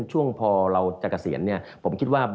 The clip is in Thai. ช่วงพอเราจะเกษียณผมคิดว่า